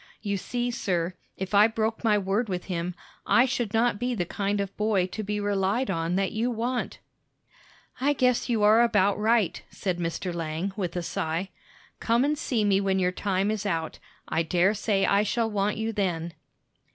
"You see, sir, if I broke my word with him, I should not be the kind of boy to be relied on that you want." "I guess you are about right," said Mr. Lang, with a sigh. "Come and see me when your time is out; I dare say I shall want you then."